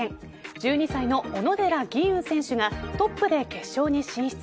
１２歳の小野寺吟雲選手がトップで決勝に進出。